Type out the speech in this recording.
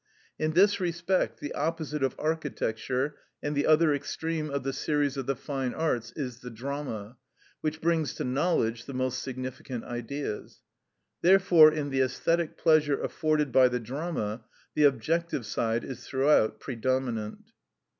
In this respect the opposite of architecture, and the other extreme of the series of the fine arts, is the drama, which brings to knowledge the most significant Ideas. Therefore in the æsthetic pleasure afforded by the drama the objective side is throughout predominant.